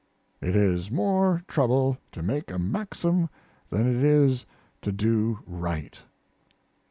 It is more trouble to make a maxim than it is to do right.